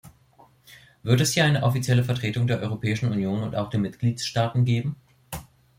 Wird es hier eine offizielle Vertretung der Europäischen Union und auch der Mitgliedstaaten geben?